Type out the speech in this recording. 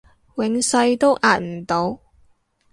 永世都壓唔到